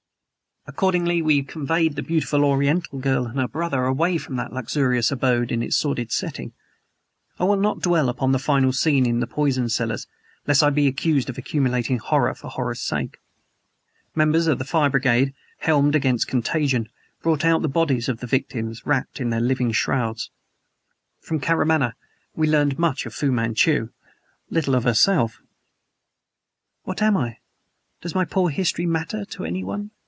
Accordingly we conveyed the beautiful Oriental girl and her brother away from that luxurious abode in its sordid setting. I will not dwell upon the final scene in the poison cellars lest I be accused of accumulating horror for horror's sake. Members of the fire brigade, helmed against contagion, brought out the bodies of the victims wrapped in their living shrouds. ... From Karamaneh we learned much of Fu Manchu, little of herself. "What am I? Does my poor history matter to anyone?"